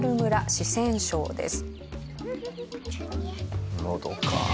四川省です。